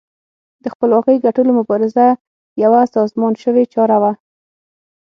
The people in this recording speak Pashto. د خپلواکۍ ګټلو مبارزه یوه سازمان شوې چاره وه.